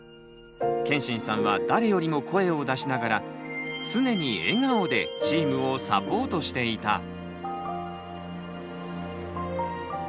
けんしんさんは誰よりも声を出しながら常に笑顔でチームをサポートしていた。